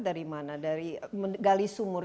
dari mana dari gali sumur